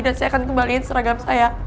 dan saya akan kembaliin seragam saya